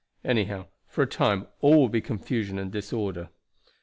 Anyhow for a time all will be confusion and disorder.